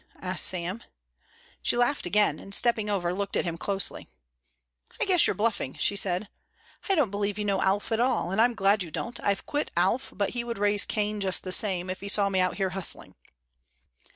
asked Sam. She laughed again and stepping over looked at him closely. "I guess you're bluffing," she said. "I don't believe you know Alf at all. And I'm glad you don't. I've quit Alf, but he would raise Cain just the same, if he saw me out here hustling."